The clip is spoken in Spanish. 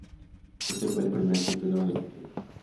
Este fue el primer título de este club.